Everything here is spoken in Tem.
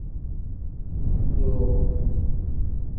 Duu.